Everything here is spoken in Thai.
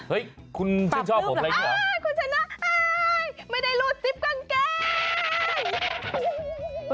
เฮ้ยคุณชื่นชอบผมอะไรอย่างนี้หรอคุณฉันนะไม่ได้ลูดซิปกองแกง